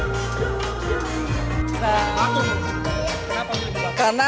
dan mencari tempat untuk mencari tempat untuk mencari tempat untuk mencari tempat